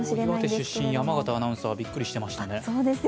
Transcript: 岩手出身、山形アナウンサー、びっくりしてましたね。